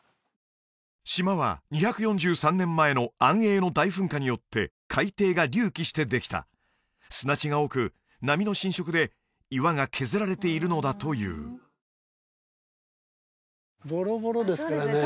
島は２４３年前の安永の大噴火によって海底が隆起してできた砂地が多く波の浸食で岩が削られているのだというぼろぼろですからね